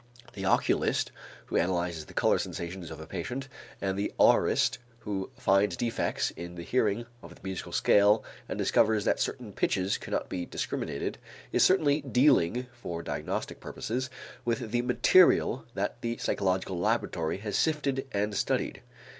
The oculist who analyzes the color sensations of a patient and the aurist who finds defects in the hearing of the musical scale and discovers that certain pitches cannot be discriminated, is certainly dealing, for diagnostic purposes, with the material that the psychological laboratory has sifted and studied.